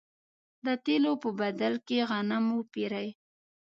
د تېلو په بدل کې غنم وپېري.